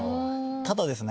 ただですね